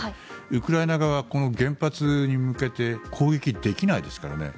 ウクライナ側は原発に向けて攻撃できないですからね。